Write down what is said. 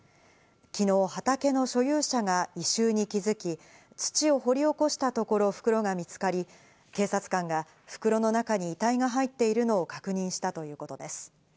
きのう、畑の所有者が異臭に気付き、土を掘り起こしたところ、袋が見つかり、警察官が袋の中に遺体が入っているのを確認したということです。